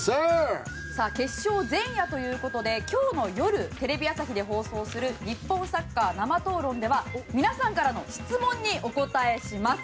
決勝前夜ということで今日の夜、テレビ朝日で放送する日本サッカー生討論では皆さんからの質問にお答えします。